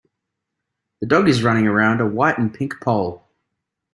The dog is running around a white and pink pole.